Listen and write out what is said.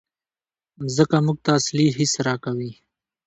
مځکه موږ ته اصلي حس راکوي.